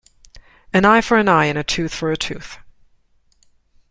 An eye for an eye and a tooth for a tooth.